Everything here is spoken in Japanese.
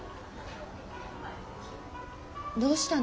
どうしたの？